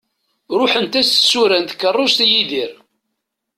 Ruḥent-as tsura n tkerrust i Yidir.